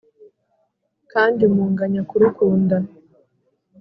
kandi munganya kurukunda.